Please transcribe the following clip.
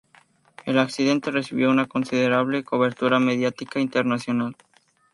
El accidente recibió una considerable cobertura mediática internacional.